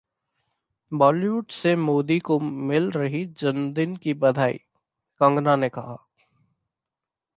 बाॅलीवुड से मोदी को मिल रहीं जन्मदिन की बधाइयां, कंगना ने कहा...